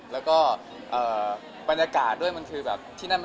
แล้วก็บรรยากาศที่มันร้อน